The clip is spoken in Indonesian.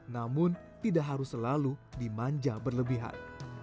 namun tidak harus selalu dimanja berlebihan